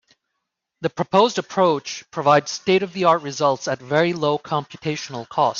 The proposed approach provides state-of-the-art results at very low computational cost.